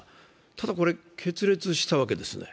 ただ、これ決裂したわけです。